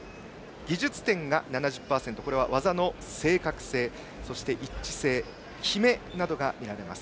技術点が７０％これは技の正確性一致性、極めなどが見られます。